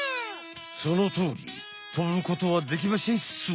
そのとおりとぶことはできましぇんっす！